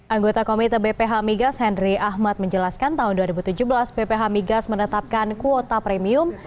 anggota komite bph migas henry ahmad menjelaskan tahun dua ribu tujuh belas bph migas menetapkan kuota premium